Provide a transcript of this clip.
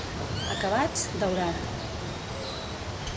Acabats: daurat.